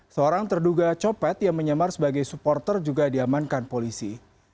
seorang terduga copet yang menyamar sebagai supporter juga diamankan polisi